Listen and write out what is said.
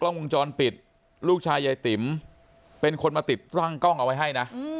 วงจรปิดลูกชายยายติ๋มเป็นคนมาติดตั้งกล้องเอาไว้ให้นะ